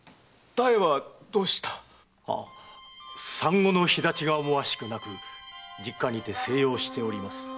妙はどうした？は産後の肥立ちが思わしくなく実家にて静養しております。